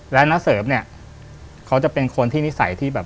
แล้วนักเซิร์ฟเนี่ยเขาจะเป็นคนที่นิสัยที่